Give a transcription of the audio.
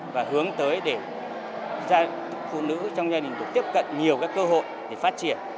và hướng tới để phụ nữ trong gia đình được tiếp cận nhiều các cơ hội để phát triển